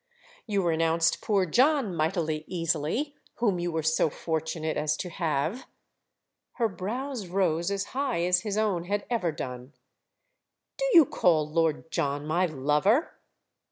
"You renounced poor John mightily easily—whom you were so fortunate as to have!" Her brows rose as high as his own had ever done. "Do you call Lord John my lover?"